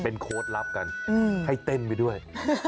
โค้ดลับกันให้เต้นไปด้วย